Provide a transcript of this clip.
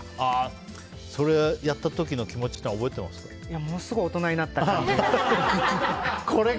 それ、やった時の気持ちってものすごい大人になった感じが。